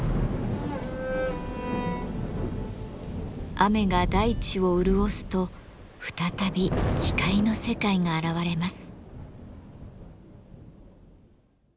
雨が大地を潤すと再び光の世界が現れます。